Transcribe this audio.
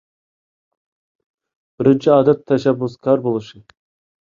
بىرىنچى ئادەت، تەشەببۇسكار بولۇش.